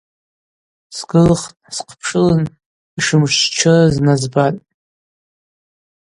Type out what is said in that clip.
Сгылхтӏ, схъпшылын – йшымшвчырыз назбатӏ.